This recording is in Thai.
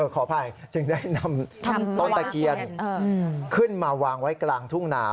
ขออภัยจึงได้นำต้นตะเคียนขึ้นมาวางไว้กลางทุ่งนา